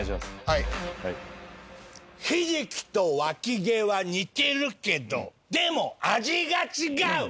はいヒジキと脇毛は似てるけどでも味が違う！